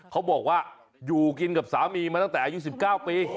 เขาบอกว่าอยู่กินกับสามีมาตั้งแต่อายุ๑๙ปี